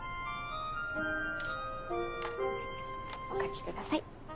お書きください。